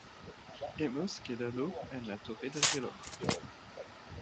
Hemos quedado en la torre del reloj.